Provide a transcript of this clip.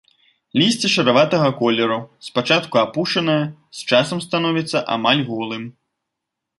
Лісце шараватага колеру, спачатку апушанае, з часам становіцца амаль голым.